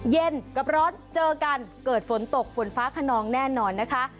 เย็นกับร้อนเจอกันเกิดฝนตกฝนฟ้าขนองแน่นอนนะคะ